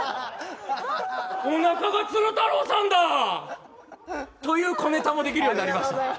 おなかが鶴太郎さんだ！という小ネタもできるようになりました